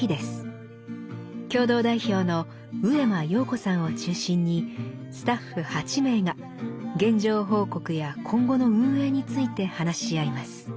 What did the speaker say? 共同代表の上間陽子さんを中心にスタッフ８名が現状報告や今後の運営について話し合います。